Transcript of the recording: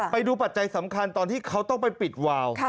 ปัจจัยสำคัญตอนที่เขาต้องไปปิดวาว